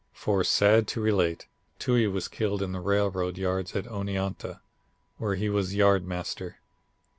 For sad to relate, Toohey was killed in the railroad yards at Oneonta, where he was yard master.